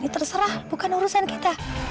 terserah bukan urusan kita